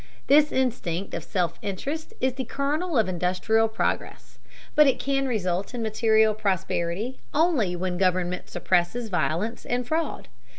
This instinct of self interest is the kernel of industrial progress, but it can result in material prosperity only when government suppresses violence and fraud.